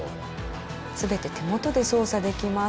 全て手元で操作できます。